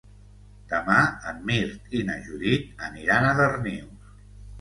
Demà en Mirt i na Judit aniran a Darnius.